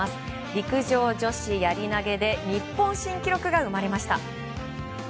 陸上女子やり投げで日本新記録が生まれました。